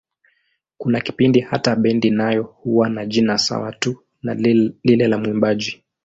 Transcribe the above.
Kuna kipindi hata bendi nayo huwa na jina sawa tu na lile la mwimbaji.